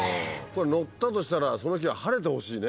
乗ったとしたらその日は晴れてほしいね。